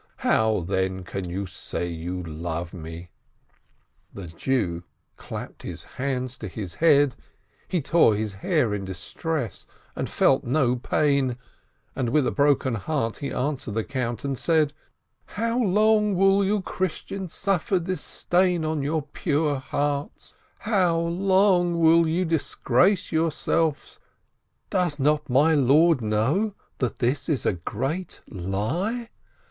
How, then, can you say that you love me ?" The Jew clapped his hands to his head, he tore his hair in his distress and felt no pain, and with a broken heart he answered the Count, and said: "How long will you Christians suffer this stain on your pure hearts ? How long will you disgrace yourselves? Does not my lord know that this is a great lie